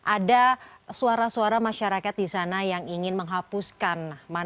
ada suara suara masyarakat di sana yang ingin menghapuskan